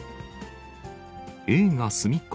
映画、すみっコ